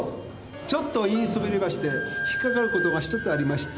ちょっと言いそびれまして引っ掛かることがひとつありまして。